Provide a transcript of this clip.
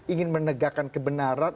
ingin menegakkan kebenaran